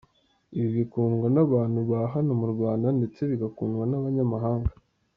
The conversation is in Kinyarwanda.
Ibi bikundwa n’abantu ba hano mu Rwanda ndetse bigakundwa n’abanyamahanga.